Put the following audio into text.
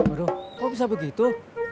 aduh kok bisa begitu